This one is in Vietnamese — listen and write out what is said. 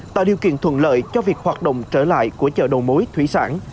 tạo điều kiện thuận lợi cho việc hoạt động trở lại của chợ đầu mối thủy sản